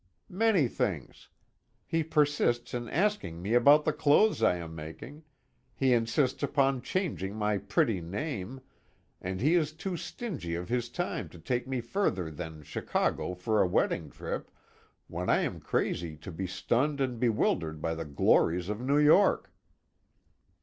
"Many things. He persists in asking me about the clothes I am making; he insists upon changing my pretty name, and he is too stingy of his time to take me further than Chicago for a wedding trip when I am crazy to be stunned and bewildered by the glories of New York."